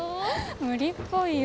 無理っぽいよ。